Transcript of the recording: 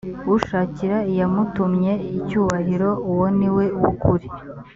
ushakira iyamutumye icyubahiro uwo ni we w ukuri